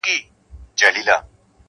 o د انصاف په تله خپل او پردي واړه,